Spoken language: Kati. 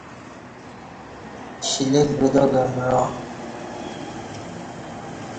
شلیک بدا گہ معا